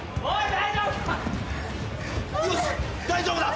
大丈夫だ。